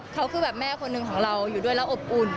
เขาคือแบบแม่คนหนึ่งของเราอยู่ด้วยแล้วอบอุ่น